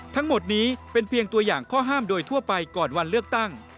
ทั้งหมดนี้เป็นเพียงตัวอย่างข้อห้ามโดยทั่วไปก่อนวันเลือกตั้ง